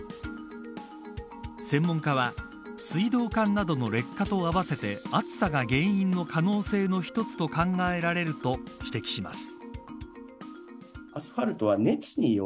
専門家は水道管などの劣化と合わせて暑さが原因の可能性の一つと考えられると指摘します。